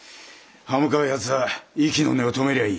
刃向かう奴は息の根を止めりゃあ